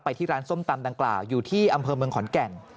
ที่ร้านส้มตำดังกล่าวอยู่ที่อำเภอเมืองขอนแก่น